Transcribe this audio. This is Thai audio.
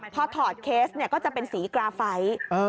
พอถอดเคสก็จะเป็นสีกราไฟ